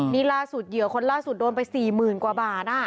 ก็ใช่ไงนี่ล่าสุดเหยื่อคนล่าสุดโดนไป๔๐๐๐๐กว่าบาทน่ะ